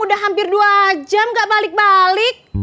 udah hampir dua jam gak balik balik